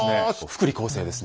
福利厚生ですね。